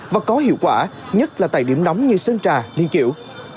và có hiệu quả nhất là tại điểm nóng như sân trà liên kiệu